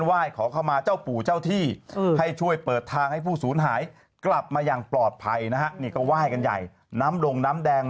ทำพิธีขอขมา